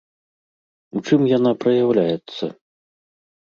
У чым яна праяўляецца?